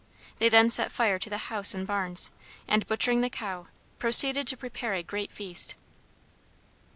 They then set fire to the house and barns, and, butchering the cow, proceeded to prepare a great feast.